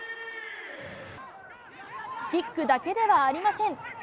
キックだけではありません。